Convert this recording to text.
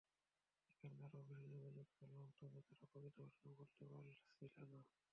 এখানকার অফিসে যোগাযোগ করলাম, তবে তারা প্রকৃত ঘটনা বলতে পারছিল না।